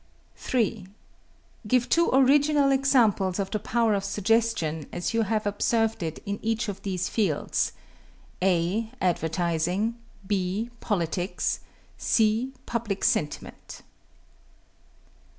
3. Give two original examples of the power of suggestion as you have observed it in each of these fields: (a) advertising; (=b=) politics; (c) public sentiment.